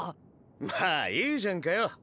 まあいいじゃんかよ。